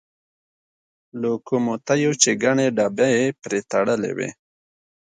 لوکوموتیو چې ګڼې ډبې پرې تړلې وې.